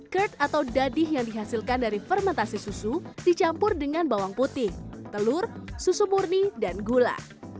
kert atau dadih yang dihasilkan dari fermentasi susu dicampur dengan bawang putih telur susu murni dan gula